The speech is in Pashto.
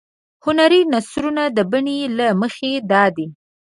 هنري نثرونه د بڼې له مخې دادي.